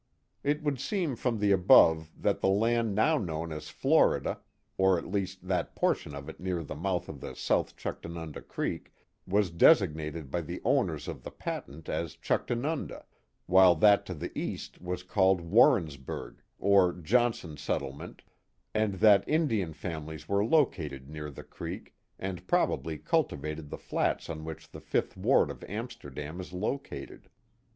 It would seem from the above that the land now known as Florida, or at least that portion of it near the mouth of the South Chuctanunda Creek, was designated by the owners of the patent as Chuctanunda, while that to the east was called Warrensburg, or Johnson's Settlement, and that Indian families were located near the creek, and probably cultivated the flats on which the fifth ward of Amsterdam is located.